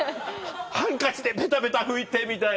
ハンカチでペタペタ拭いてみたいな。